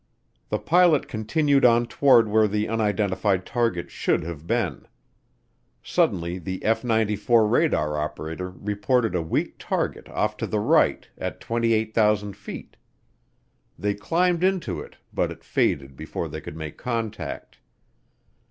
The pilot continued on toward where the unidentified target should have been. Suddenly the F 94 radar operator reported a weak target off to the right at 28,000 feet. They climbed into it but it faded before they could make contact.